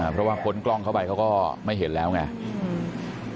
เพราะว่าพ้นกล้องเข้าไปเขาก็ไม่เห็นแล้วไง